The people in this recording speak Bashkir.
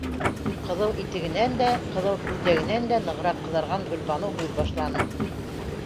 Ҡыҙыл итегенән дә, ҡыҙыл күлдәгенән дә нығыраҡ ҡыҙарған Гөлбаныу һүҙ башланы: